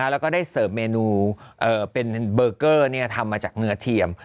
แล้วก็ได้เสิร์ฟเมนูเป็นเบอร์เกอร์ทำมาจากเนื้อเทียม